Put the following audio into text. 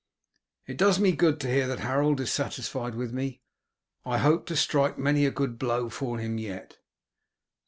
"It does me good to hear that Harold is satisfied with me. I hope to strike many a good blow for him yet."